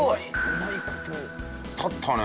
うまい事立ったね。